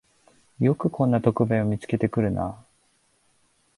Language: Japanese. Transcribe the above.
よくこんな特売を見つけてくるなあ